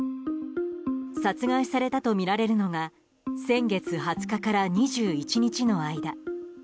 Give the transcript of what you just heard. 殺害されたとみられるのが先月２０日から２１日の間。